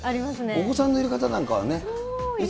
お子さんのいる方なんかはね。